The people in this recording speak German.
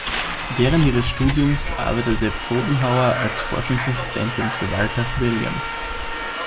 Während ihres Studiums arbeitete Pfotenhauer als Forschungsassistentin für Walter Williams.